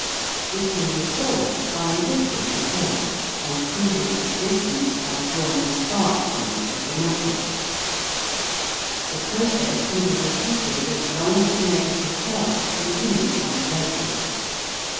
We can withdraw it by lifting the plate, and prove its existence by drawing a spark from it with the knuckle. The process can be repeated as long as the negative charge continues on the resin.